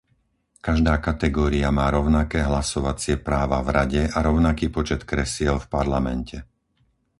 Každá kategória má rovnaké hlasovacie práva v Rade a rovnaký počet kresiel v Parlamente.